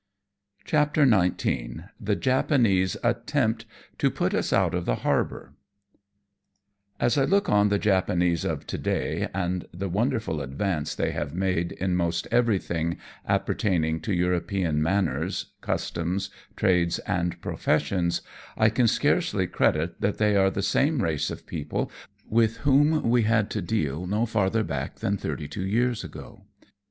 CHAPTEE XIX. THE JAPANESE ATTEMPT TO PUT US OUT OF THE HAEBOUR. As I look on the Japanese of to day, and the wonder ful advance they have made in most everything appertaining to European mannerSj customs, trades and professions, I can scarcely credit that they are the same race of people with whom we had to deal no farther hack than thirty two years ago.